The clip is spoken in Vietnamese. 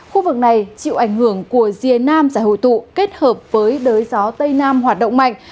khu vực này chịu ảnh hưởng của riêng nam xã hội thụ kết hợp với đới gió tây nam hoạt động mạnh